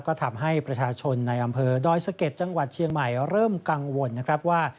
ก็ทำให้ประชาชนในอำเภอดอยสะเก็ดจังหวัดเชียงใหม่เริ่มกังวลนะครับว่า